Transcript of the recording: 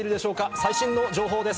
最新の情報です。